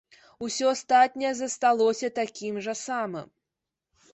Усё астатняе засталося такім жа самым.